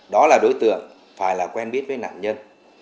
đó là đối tượng phải là quen biết với nạn nhân